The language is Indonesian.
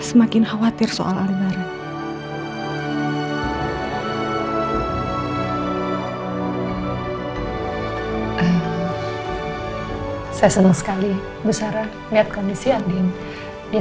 semua orang yang berada di sini